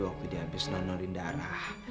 waktu dia habis nonorin darah